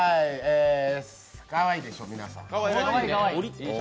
かわいいでしょ、皆さん。